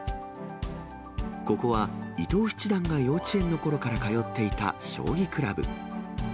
ここは伊藤七段が幼稚園のころから通っていた将棋クラブ。